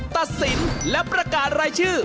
ตัดสินและประกาศรายชื่อ